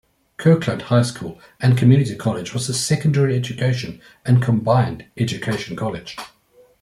Kirkland High School and Community College was a secondary education and combined education college.